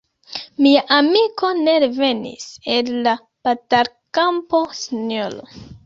“Mia amiko ne revenis el la batalkampo, sinjoro.